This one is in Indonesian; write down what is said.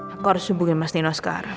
aku harus hubungi mas nino sekarang